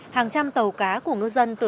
hàng trăm tàu cá của ngư dân